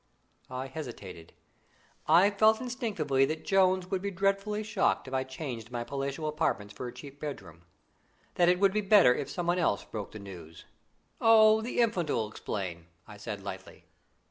I hesitated. I felt instinctively that Jones would be dreadfully shocked if I changed my palatial apartments for a cheap bedroom; that it would be better if some one else broke the news. "Oh, the Infant'll explain," I said lightly.